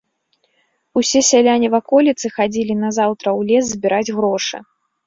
Усе сяляне ваколіцы хадзілі назаўтра ў лес збіраць грошы.